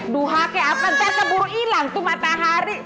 duhake apa ntar buru ilang tuh matahari